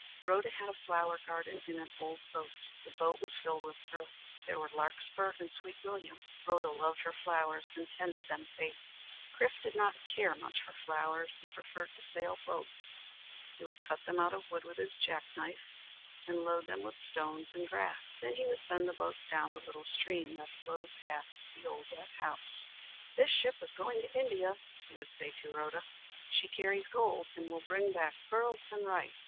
Rhoda had a flower garden in an old boat. The boat was filled with earth. There grew larkspur and sweet william. Rhoda loved her flowers and tended them faithfully. Chrif did not care much for flowers. He preferred to sail boats. He would cut them out of wood with his jack knife, and load them with stones and grass. Then he would send the boats down the little stream that flowed past the old red house. "This ship is going to India," he would say to Rhoda. "She carries gold and will bring back pearls and rice."